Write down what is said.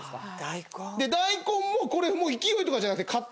大根もこれ勢いとかじゃなくて勝手に。